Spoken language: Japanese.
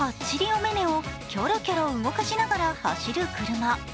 おめめをキョロキョロ動かしながら走る車。